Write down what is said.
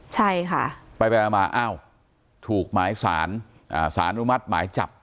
ใช่ค่ะไปมาอ้าวถูกหมายสารสารอนุมัติหมายจับ